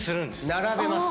並べます。